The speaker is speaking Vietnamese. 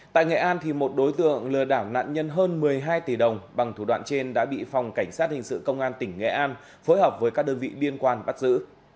tại nghệ an một đối tượng lừa đảo nạn nhân hơn một mươi hai tỷ đồng bằng thủ đoạn trên đã bị phòng cảnh sát hình sự công an tỉnh nghệ an phối hợp với các đơn vị liên quan bắt giữ